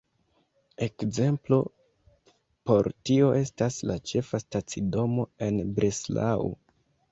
Ekzemplo por tio estas la ĉefa stacidomo en Breslau.